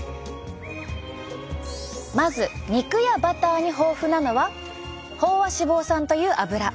まず肉やバターに豊富なのは飽和脂肪酸というアブラ。